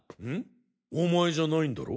お前じゃないんだろ？